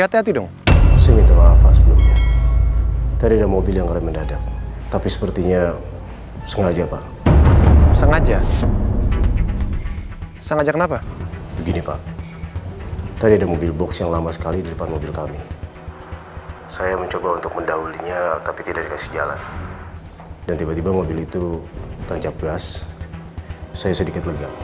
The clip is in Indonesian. hati hati dong seminta maaf ah sebelumnya tadi ada mobil yang keren mendadak tapi sepertinya sengaja pak